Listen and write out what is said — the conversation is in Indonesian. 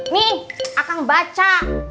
nih akan baca